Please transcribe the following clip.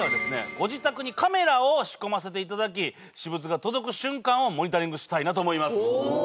ご自宅にカメラを仕込ませていただき私物が届く瞬間をモニタリングしたいなと思います